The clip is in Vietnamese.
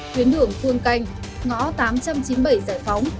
tuyến đường phương canh ngõ tám trăm chín mươi bảy giải phóng